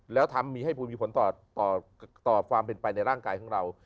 แล้วทำมีให้ภูมิมีผลต่อความเป็นไปในร่างกายของเรา